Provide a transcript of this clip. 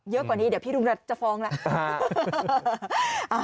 เยอะกว่านี้เดี๋ยวพี่รุงรัฐจะฟ้องละ